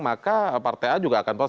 maka partai a juga akan pas